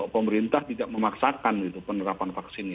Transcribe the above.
pemerintah tidak memaksakan penerapan vaksinnya